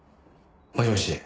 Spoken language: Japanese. もしもし？